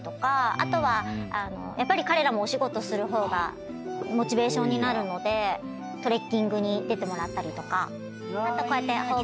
あとはやっぱり彼らもお仕事する方がモチベーションになるのでトレッキングに出てもらったりとか。